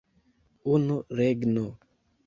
Unu regno!